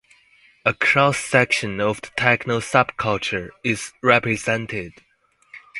A cross-section of the techno subculture is represented.